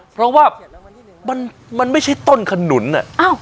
เพราะว่ามันมันไม่ใช่ต้นขนุนอ่ะอ้าว